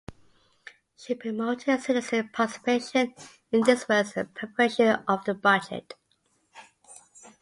She promoted citizen participation in these works and the preparation of the budget.